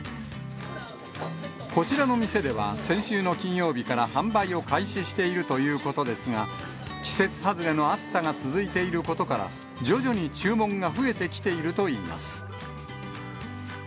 こちらの店では、先週の金曜日から販売を開始しているということですが、季節外れの暑さが続いていることから、徐々に注文が増えてきているといいます。